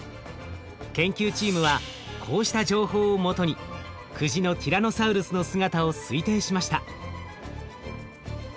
研究チームはこうした情報をもとに久慈のティラノサウルスの姿を推定しました。